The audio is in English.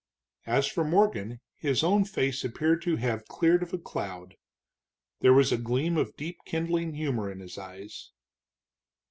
As for Morgan, his own face appeared to have cleared of a cloud. There was a gleam of deep kindling humor in his eyes.